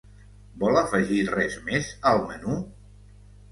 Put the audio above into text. Vol afegir res més al menú?